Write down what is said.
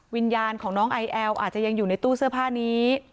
วิญญาณของน้องไอแอลอาจจะยังอยู่ในตู้เสื้อผ้านี้